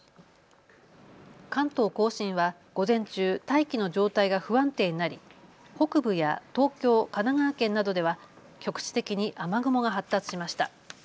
関東甲信は午前中、大気の状態が不安定になり北部や東京、神奈川県などでは局地的に雨雲が発達しました。